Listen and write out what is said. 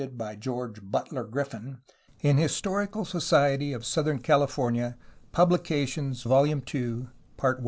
ed. by George Butler Griffin, in His torical society of southern California, Publications, v, II, pt.